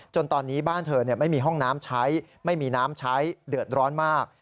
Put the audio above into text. จนตอนนี้บ้านเธอไม่มีห้องน้ำใช้ไม่มีน้ำใช้เดือดร้อนมาก